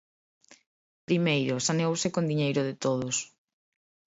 Primeiro, saneouse con diñeiro de todos.